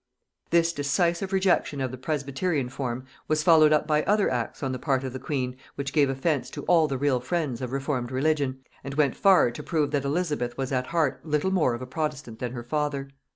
This decisive rejection of the presbyterian form was followed up by other acts on the part of the queen which gave offence to all the real friends of reformed religion, and went far to prove that Elizabeth was at heart little more of a protestant than her father.